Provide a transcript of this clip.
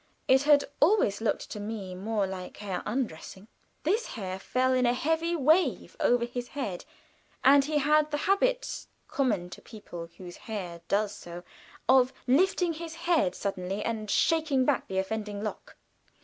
It had always looked to me more like hair undressing. This hair fell in a heavy wave over his forehead, and he had the habit, common to people whose hair does so, of lifting his head suddenly and shaking back the offending lock.